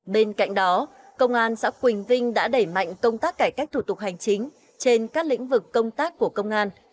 bên cạnh đó công an xã quỳnh vinh đã đẩy mạnh công tác cải cách thủ tục hành chính trên các lĩnh vực công tác của công an